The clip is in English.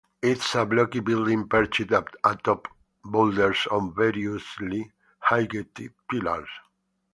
It's a blocky building perched atop boulders on variously-heighted pillars.